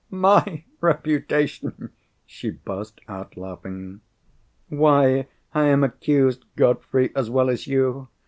"My reputation!" She burst out laughing. "Why, I am accused, Godfrey, as well as you.